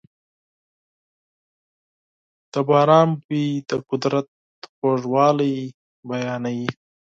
د باران بوی د قدرت خوږوالی بیانوي.